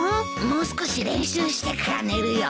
もう少し練習してから寝るよ。